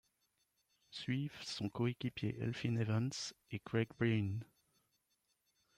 Suivent son coéquipier Elfyn Evans et Craig Breen.